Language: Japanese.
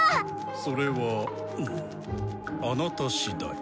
⁉それはあなたしだい。